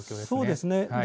そうですね。